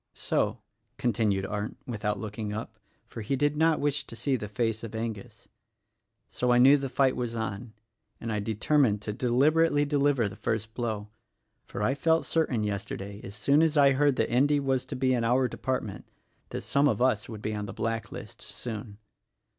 So," continued Arndt without looking up — for he did not wish to see the face of Angus, — "So, I knew the fight was on, and I determined to deliberately deliver the first blow; for I felt certain yesterday — as soon as I heard that Endy was to be in our department — that some of us would be on the black list, soon."